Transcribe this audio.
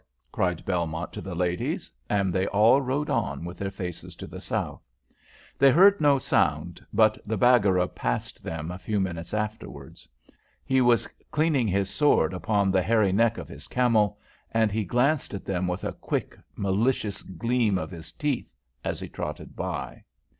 cried Belmont to the ladies, and they all rode on with their faces to the south. They heard no sound, but the Baggara passed them a few minutes afterwards. He was cleaning his sword upon the hairy neck of his camel, and he glanced at them with a quick, malicious gleam of his teeth as he trotted by.